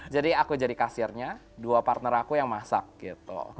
jadi aku jadi kasirnya dua partner aku yang masak gitu